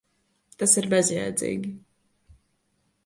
Tas ir bezjēdzīgi.